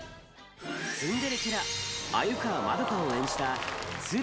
ツンデレキャラ鮎川まどかを演じた鶴ひろみ。